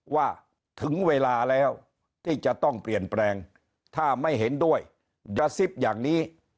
ว่าถึงเวลาแล้วที่จะต้องเปลี่ยนแปลงถ้าไม่เห็นด้วยกระซิบอย่างนี้